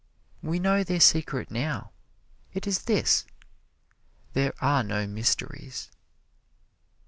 We know their secret now. It is this there are no mysteries.